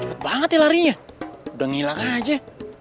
berat banget ya larinya udah ngilang aja